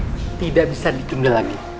tidak bisa ditunda lagi